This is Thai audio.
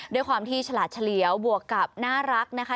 ด้วยความที่ฉลาดเฉลียวบวกกับน่ารักนะคะ